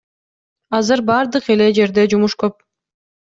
Азыр баардык эле жерде жумуш көп.